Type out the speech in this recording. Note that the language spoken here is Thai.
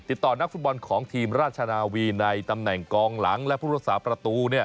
ติดต่อนักฟุตบอลของทีมราชนาวีในตำแหน่งกองหลังและผู้รักษาประตู